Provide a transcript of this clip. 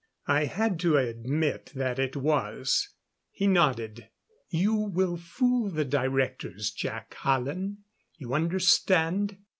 I had to admit that it was. He nodded. "You will fool the Directors, Jac Hallen. You understand?